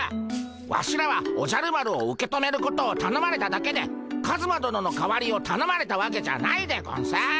ワシらはおじゃる丸を受け止めることをたのまれただけでカズマ殿の代わりをたのまれたわけじゃないでゴンス。